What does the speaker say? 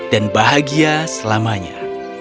dan bahagia selamanya